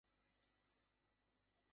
ভালো হয়ে যাবে।